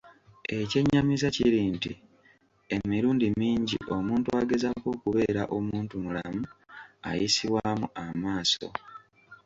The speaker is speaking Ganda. Ekyennyamiza kiri nti emirundi mingi omuntu agezaako okubeera omuntumulamu, ayisibwamu amaaso